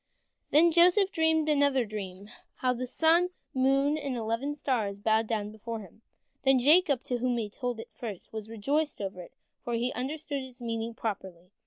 Then Joseph dreamed another dream, how the sun, the moon, and eleven stars bowed down before him, and Jacob, to whom he told it first, was rejoiced over it, for he understood its meaning properly.